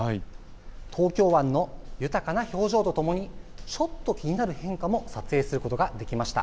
東京湾の豊かな表情とともにちょっと気になる変化も撮影することができました。